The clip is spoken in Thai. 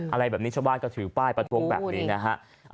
อะไรแบบนี้ชาวบ้านก็ถือป้ายประท้วงแบบนี้นะฮะ